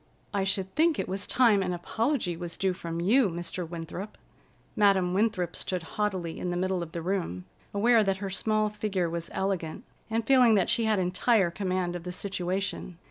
"I should think it was time an apology was due from you, Mr. Winthrop." Madam Winthrop stood haughtily in the middle of the room, aware that her small figure was elegant, and feeling that she had entire command of the situation.